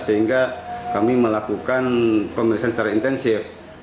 sehingga kami melakukan pemelisahan intensif